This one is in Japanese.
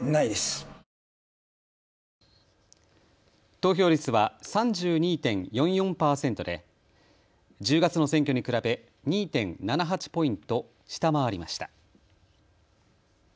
投票率は３２．４４％で１０月の選挙に比べ２．７８ポイント下回りました。